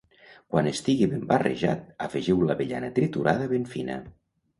Quan estigui ben barrejat, afegiu l'avellana triturada ben fina.